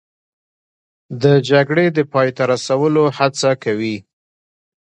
د جګړې د پای ته رسولو هڅه کوي